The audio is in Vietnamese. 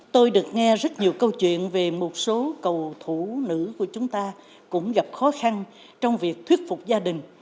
tôi được nghe rất nhiều câu chuyện về một số cầu thủ nữ của chúng ta cũng gặp khó khăn trong việc thuyết phục gia đình